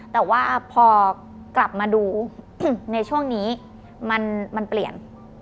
แต่ว่าพอกลับมาดูในช่วงนี้มันเปลี่ยน